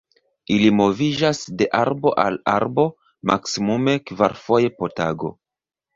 Ili moviĝas de arbo al arbo maksimume kvarfoje po tago.